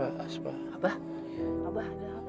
abah abah ada apa apa